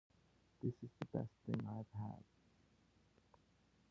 This is the best thing I have had.